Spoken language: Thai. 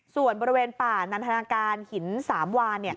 ส่วนบริเวณป่านันทนาการหิน๓วาน